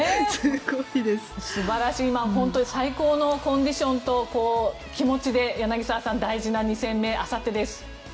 最高のコンディションと気持ちで柳澤さん大事な２戦目、あさってです。